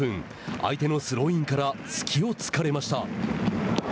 相手のスローインから隙を突かれました。